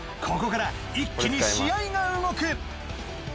ここから一気に試合が動く。